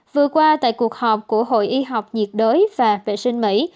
vừa qua tại cuộc họp của hội y học nhiệt đới và vệ sinh mỹ